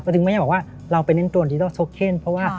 ก็จึงไม่อยากบอกว่าเราไปเน้นตัวดิจิทัลโทเคนเพราะว่า